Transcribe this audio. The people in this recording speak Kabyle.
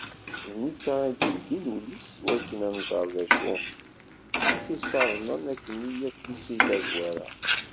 D netta i d-ildin ul-is i wakken ad nzeṛ d acu i t-issaḍnen akkenni yakk si tazwara.